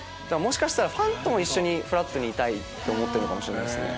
ファンともフラットにいたいって思ってるのかもしれないですね。